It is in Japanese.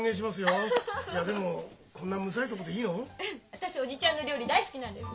私おじちゃんの料理大好きなんです。